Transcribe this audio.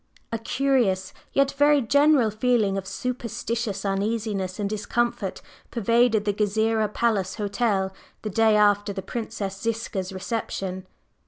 /A curious/ yet very general feeling of superstitious uneasiness and discomfort pervaded the Gezireh Palace Hotel the day after the Princess Ziska's reception.